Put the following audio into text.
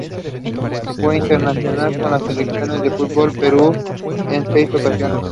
Fue internacional con la selección de fútbol del Perú en seis ocasiones.